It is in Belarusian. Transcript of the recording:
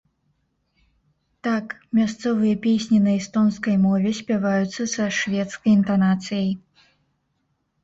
Так, мясцовыя песні на эстонскай мове спяваюцца са шведскай інтанацыяй.